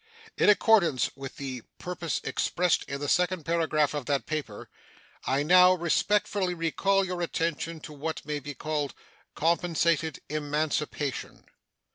In accordance with the purpose expressed in the second paragraph of that paper, I now respectfully recall your attention to what may be called "compensated emancipation."